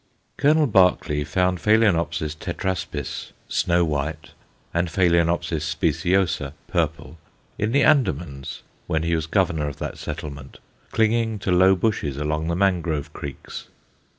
Colonel Berkeley found Ph. tetraspis, snow white, and Ph. speciosa, purple, in the Andamans, when he was Governor of that settlement, clinging to low bushes along the mangrove creeks.